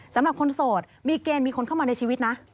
สำหรับคนโสดมีเกณฑ์มีคนเข้ามาในชีวิตนะ